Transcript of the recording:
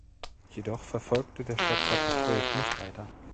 Jedoch verfolgte der Stadtrat das Projekt nicht weiter.